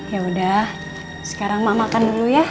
ya udah sekarang mak makan dulu ya